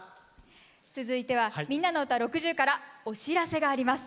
続いては「みんなのうた６０」からお知らせがあります。